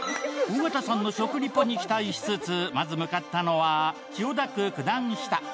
尾形さんの食リポに期待しつつまず向かったのは千代田区九段下。